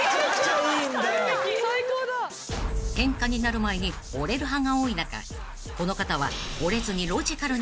［ケンカになる前に折れる派が多い中この方は］